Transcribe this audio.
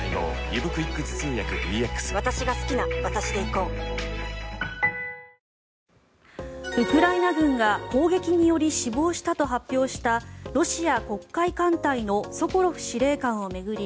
こういった学校でどういうことを教わるのかというウクライナ軍が攻撃により死亡したと発表したロシア黒海艦隊のソコロフ司令官を巡り